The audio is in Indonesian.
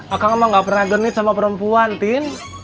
akang emang gak pernah genit sama perempuan tin